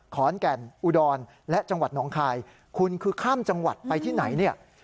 ขอนแก่นอุดรและจังหวัดหนองคายคุณคือข้ามจังหวัดไปที่ไหนเนี่ย